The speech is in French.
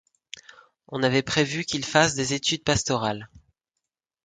On avait prévu qu'il fasse des études pastorales.